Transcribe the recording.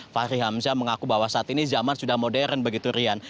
fahri hamzah mengaku bahwa saat ini zaman sudah modern begitu rian